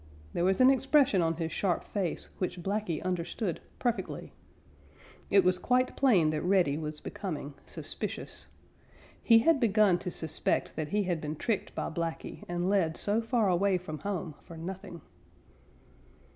There was an expression on his sharp face which Blacky understood perfectly. It was quite plain that Reddy was becoming suspicious. He had begun to suspect that he had been tricked by Blacky and led so far away from home for nothing.